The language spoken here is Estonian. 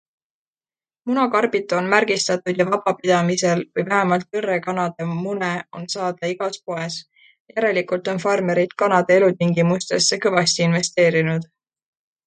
Munakarbid on märgistatud ja vabapidamisel või vähemalt õrrekanade mune on saada igas poes - järelikult on farmerid kanade elutingimustesse kõvasti investeerinud.